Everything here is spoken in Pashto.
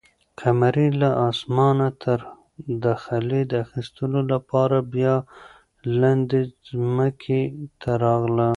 قمرۍ له اسمانه څخه د خلي د اخیستلو لپاره بیا لاندې ځمکې ته راغله.